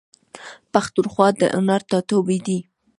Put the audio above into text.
پښتونخوا د هنر ټاټوبی دی.